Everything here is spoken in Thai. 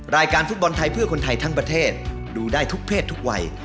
รายการฟุตบอลไทยเพื่อคนไทยทั้งประเทศดูได้ทุกเพศทุกวัย